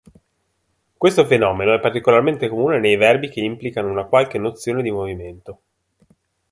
Questo fenomeno è particolarmente comune nei verbi che implicano una qualche nozione di movimento.